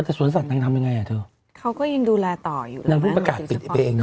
แต่สวนสัตว์ทำยังไงอ่ะเธอเขาก็ยังดูแลต่ออยู่นางเพิ่งประกาศปิดไปเองเน